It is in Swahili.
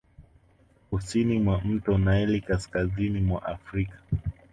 Kusini mwa mto Naili kaskazini mwa Afrika